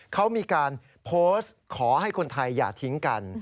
เขามีการโพสต์ขอให้คนไทยอย่าทิ้งกัน